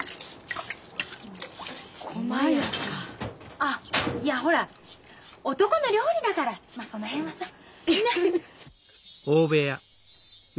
あっいやほら男の料理だからまその辺はさ。ね！